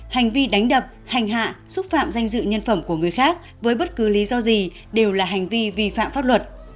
hành vi đánh đập hành hạ xúc phạm danh dự nhân phẩm của người khác với bất cứ lý do gì đều là hành vi vi phạm pháp luật